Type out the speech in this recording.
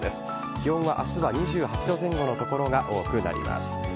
気温は、明日は２８度前後の所が多くなります。